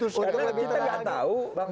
untuk lebih tenang lagi